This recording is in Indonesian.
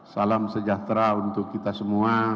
salam sejahtera untuk kita semua